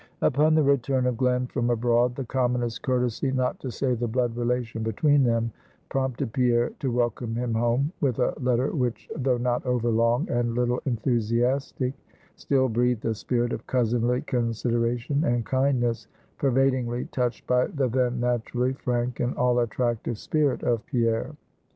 Upon the return of Glen from abroad, the commonest courtesy, not to say the blood relation between them, prompted Pierre to welcome him home, with a letter, which though not over long, and little enthusiastic, still breathed a spirit of cousinly consideration and kindness, pervadingly touched by the then naturally frank and all attractive spirit of Pierre.